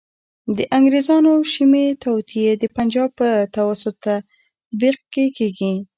د انګریزانو شومي توطیې د پنجاب په توسط تطبیق کیږي.